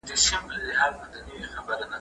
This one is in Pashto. کمونيسټ د خپل وخت يو ډېر پوه سړی و.